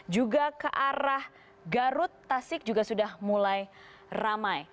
juga ke arah garut tasik juga sudah mulai ramai